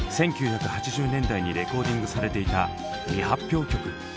１９８０年代にレコーディングされていた未発表曲。